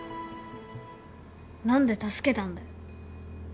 何で助けたんだよ。